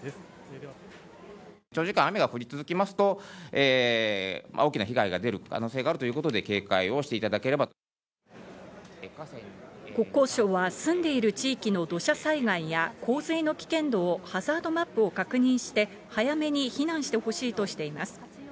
長時間雨が降り続きますと、大きな被害が出る可能性があるということで、警戒をしていただけ国交省は、住んでいる地域の土砂災害や洪水の危険度をハザードマップを確認して、早めに避難してほしいとしています。